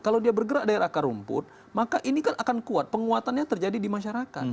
kalau dia bergerak dari akar rumput maka ini kan akan kuat penguatannya terjadi di masyarakat